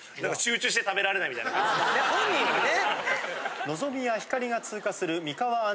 本人はね。